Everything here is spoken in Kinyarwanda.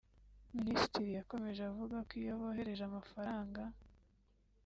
Minisitiri yakomeje avuga ko iyo bohereje amafaranga